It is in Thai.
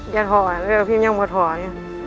อย่าถ่อยพิมยังไม่ถ่อย